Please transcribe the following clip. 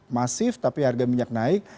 masif tapi harga minyak naik